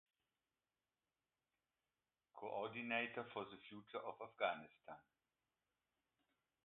Coordinator for the Future of Afghanistan.